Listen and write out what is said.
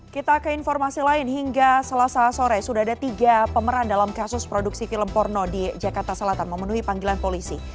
kita ke informasi lain hingga selasa sore sudah ada tiga pemeran dalam kasus produksi film porno di jakarta selatan memenuhi panggilan polisi